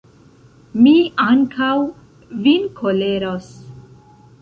Mi ankaŭ vin koleros.